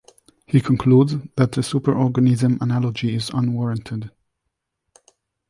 He concludes that "the superorganism analogy is unwarranted".